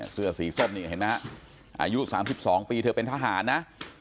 เสื้อสีส้มนี่เห็นไหมฮะอายุ๓๒ปีเธอเป็นทหารนะ